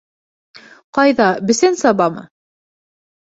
— Ҡайҙа, бесән сабамы?